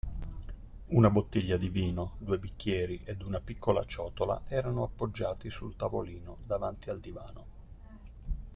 Una bottiglia di vino, due bicchieri ed una piccola ciotola erano appoggiati sul tavolino davanti al divano.